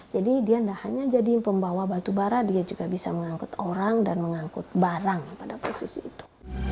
jadi dia tidak hanya jadi pembawa batu bara dia juga bisa mengangkut orang dan mengangkut barang pada posisi itu